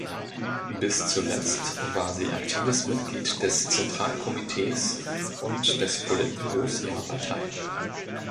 Bis zuletzt war sie aktives Mitglied des Zentralkomitees und des Politbüros ihrer Partei.